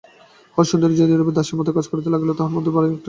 হরসুন্দরী যে নীরবে দাসীর মতো কাজ করিতে লাগিল তাহার মধ্যে ভারি একটা গর্ব আছে।